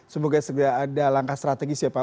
semoga segera ada langkah strategis ya pak